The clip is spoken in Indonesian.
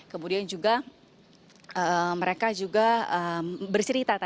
kemudian juga mereka juga berserita tadi